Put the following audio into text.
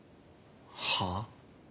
はあ？